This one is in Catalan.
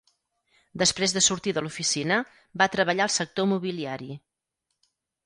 Després de sortir de l"oficina, va treballar al sector mobiliari.